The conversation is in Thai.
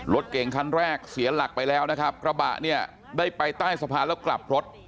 รถเก่งคันแรกเสียหลักไปแล้วนะครับกระบะเนี่ยได้ไปใต้สะพานแล้วกลับรถ